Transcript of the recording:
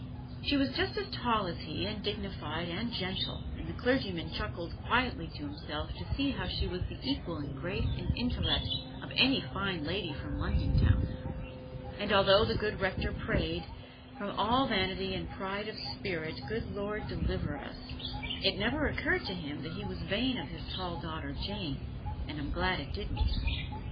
She was just as tall as he, and dignified and gentle: and the clergyman chuckled quietly to himself to see how she was the equal in grace and intellect of any Fine Lady from London town. And although the good Rector prayed, "From all vanity and pride of spirit, good Lord, deliver us," it never occurred to him that he was vain of his tall daughter Jane, and I'm glad it didn't.